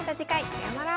さようなら。